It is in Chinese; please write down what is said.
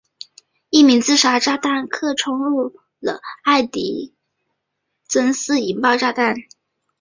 一名自杀炸弹客冲入了艾卡迪村清真寺引爆炸弹。